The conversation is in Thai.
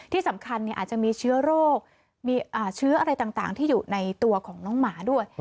ที่สำคัญอาจจะมีเชื้อโรคมีเชื้ออะไรต่างที่อยู่ในตัวของน้องหมาด้วย